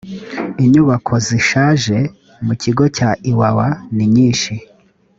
inyubako zishaje mu kigo cya iwawa ninyinshi